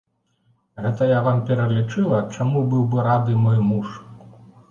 Гэта я вам пералічыла, чаму быў бы рады мой муж.